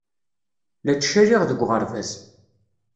La ttcaliɣ deg uɣerbaz.